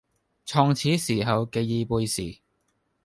創始時候旣已背時，